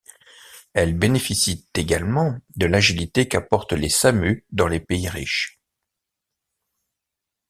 Elles bénéficient également de l'agilité qu’apportent les Samu dans les pays riches.